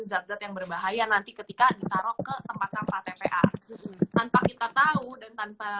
zat zat yang berbahaya nanti ketika ditaruh ke tempat sampah tpa tanpa kita tahu dan tanpa